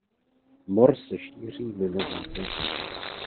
Mor se šíří mimo základnu.